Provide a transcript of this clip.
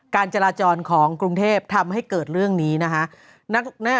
การจราจรของกรุงเทพทำให้เกิดเรื่องนี้นะฮะ